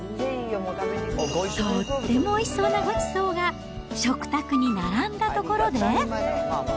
とってもおいしそうなごちそうが食卓に並んだところで。